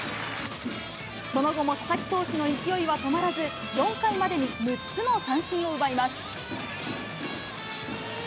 その後も佐々木投手の勢いは止まらず、４回までに６つの三振を奪います。